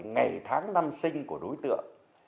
ngày tháng năm sinh của đối tượng